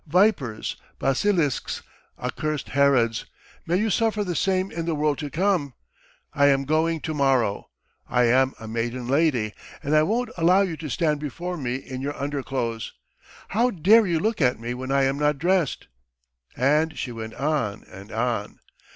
Vipers, basilisks, accursed Herods, may you suffer the same in the world to come! I am going to morrow! I am a maiden lady and I won't allow you to stand before me in your underclothes! How dare you look at me when I am not dressed!" And she went on and on.